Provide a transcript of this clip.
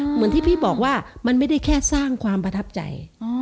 เหมือนที่พี่บอกว่ามันไม่ได้แค่สร้างความประทับใจ